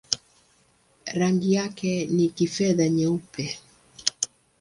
Rangi yake ni kifedha-nyeupe.